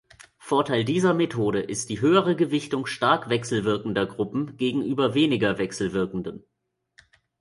Vorteil dieser Methode ist die höhere Gewichtung stark wechselwirkender Gruppen gegenüber weniger wechselwirkenden.